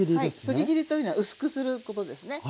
そぎ切りというのは薄くすることですね。